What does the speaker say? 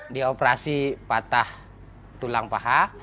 di operasi patah tulang paha